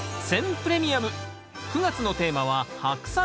プレミアム９月のテーマは「ハクサイ」。